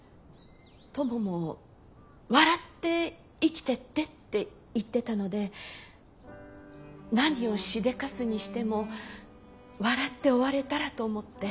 トモも笑って生きてってって言ってたので何をしでかすにしても笑って終われたらと思って。